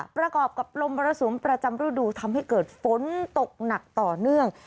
ประกอบกับลมมรสุมประจำรูดูทำให้เกิดฝนตกหนักต่อเนื่อง